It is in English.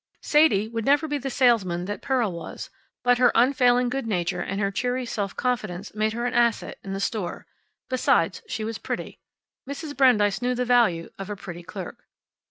Sadie would never be the saleswoman that Pearl was, but her unfailing good nature and her cheery self confidence made her an asset in the store. Besides, she was pretty. Mrs. Brandeis knew the value of a pretty clerk.